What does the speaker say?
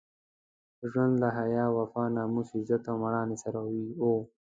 ژوند له حیا، وفا، ناموس، عزت او مېړانې سره وو.